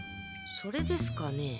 それですかね？